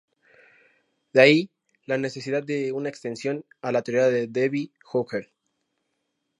De ahí la necesidad de una extensión a la teoría de Debye-Hückel.